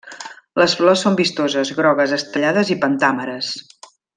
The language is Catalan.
Les flors són vistoses, grogues, estrellades i pentàmeres.